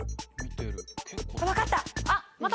分かった！